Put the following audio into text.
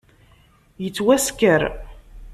Yettwasker.